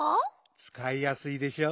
つかいやすいでしょ？